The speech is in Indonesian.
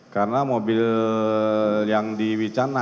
karena mobil yang di wicandang